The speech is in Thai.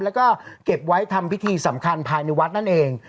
แล้วก็เก็บไว้ทำพิธีสำคัญภายในวัดนั่นเอง